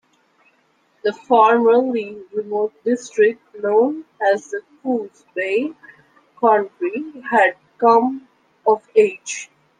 The formerly remote district known as the Coos Bay country had come of age.